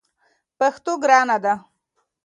پښتو ګرانه ده!